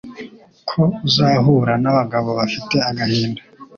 ko uzahura nabagabo bafite agahinda